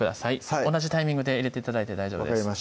はい同じタイミングで入れて頂いて大丈夫です